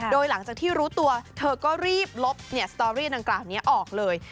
โดยหลังจากที่รู้ตัวเธอก็รีบลบสตอรี่ดังกล่าวนี้ออกเลย